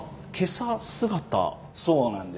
そうなんです。